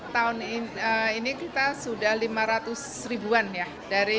tahun ini kita sudah lima ratus ribuan ya